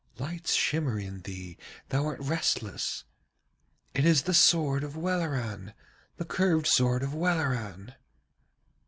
Lights shimmer in thee, thou art restless. It is the sword of Welleran, the curved sword of Welleran!'